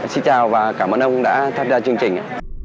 xin chào và cảm ơn ông đã tham gia chương trình